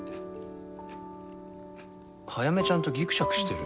早梅ちゃんとギクシャクしてる？